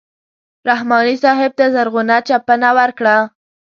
رحماني صاحب ته زرغونه چپنه ورکړه.